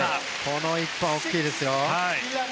この１本は大きいです。